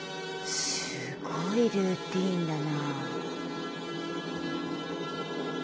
すごいルーティーンだな。